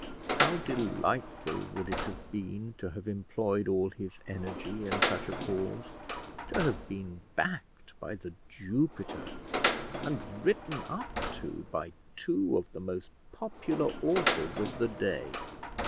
How delightful would it have been to have employed all his energy in such a cause, to have been backed by The Jupiter, and written up to by two of the most popular authors of the day!